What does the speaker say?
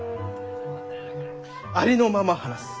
ありのまま話す。